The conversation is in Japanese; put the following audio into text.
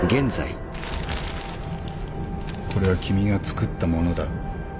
これは君が作ったものだ。